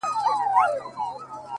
عقل پنډت حلالوي مرگ ته ملا ورکوي”